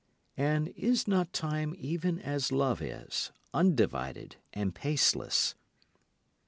And is not time even as love is, undivided and paceless?